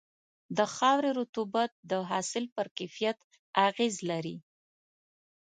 د خاورې رطوبت د حاصل پر کیفیت اغېز لري.